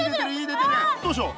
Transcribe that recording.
どうしよう？